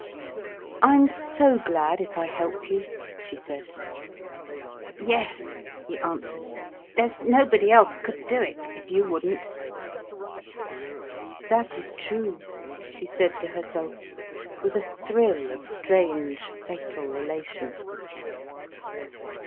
"I'm so glad if I help you," she said. "Yes," he answered. "There's nobody else could do it, if you wouldn't." "That is true," she said to herself, with a thrill of strange, fatal elation.